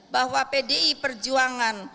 bahwa pdi perjuangan